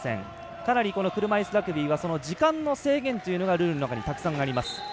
かなり車いすラグビーは時間の制限というのがルールの中にたくさんあります。